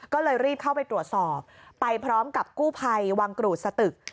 ก็เลยรีบเข้าไปตรวจสอบไปพร้อมกับกู้ภัยวังกรูดสตึก